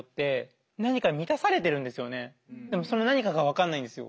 でもその何かが分かんないんですよ。